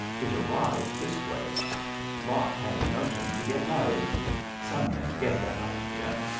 ^' It arrived this way. Lot had a notion to get married. Some men get that idea.